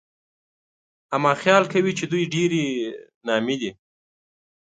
اما خيال کوي چې دوی ډېرې نامي دي